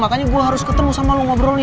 makanya gue harus ketemu sama lo ngobrolnya